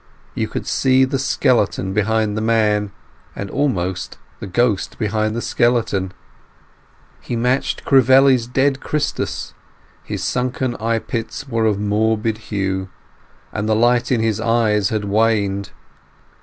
You could see the skeleton behind the man, and almost the ghost behind the skeleton. He matched Crivelli's dead Christus. His sunken eye pits were of morbid hue, and the light in his eyes had waned.